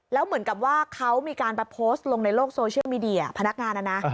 แล้วเหมือนกับว่าเขามีการไปโพสต์ลงในโลกโซเชียลมีเดียพนักงานนะนะ